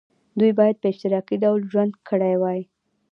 دوی باید په اشتراکي ډول ژوند کړی وای.